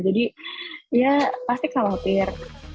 jadi ya pasti khawatir